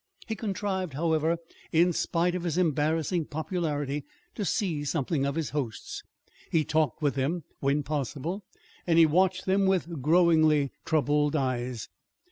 He contrived, however, in spite of his embarrassing popularity, to see something of his hosts. He talked with them, when possible, and he watched them with growingly troubled eyes.